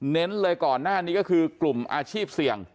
เลยก่อนหน้านี้ก็คือกลุ่มอาชีพเสี่ยง